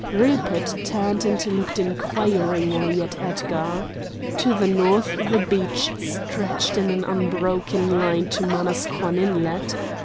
Rupert turned and looked inquiringly at Edgar. To the north the beach stretched in an unbroken line to Manasquan Inlet.